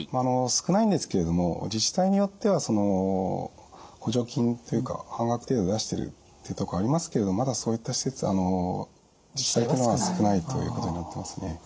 少ないんですけれども自治体によっては補助金というか半額程度出してるっていうとこありますけれどまだそういった自治体というのは少ないということになってますね。